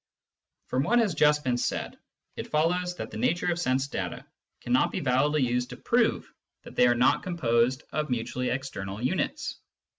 From what has just been said it follows that the nature of sense data cannot be validly used to prove that they are not composed of mutually external units.